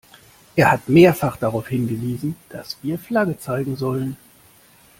Er hat mehrfach darauf hingewiesen, dass wir Flagge zeigen sollen.